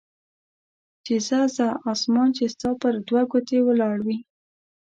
چې ځه ځه اسمان چې ستا پر دوه ګوتې ولاړ وي.